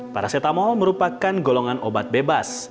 paracetamol merupakan golongan obat bebas